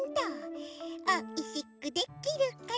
「おいしくできるかな」